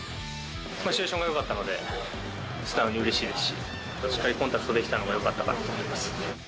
シチュエーションがよかったので、素直にうれしいですし、しっかりコンタクトできたのがよかったかなと思います。